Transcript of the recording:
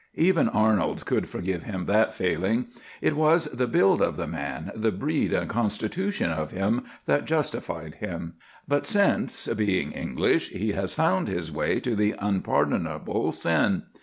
Even Arnold could forgive him that failing. It was the build of the man, the breed and constitution of him, that justified him. But since, being English, he has found his way to the unpardonable sin.